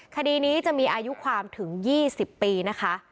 คดีนี้จะมีอายุความถึง๒๐ปีนะคะ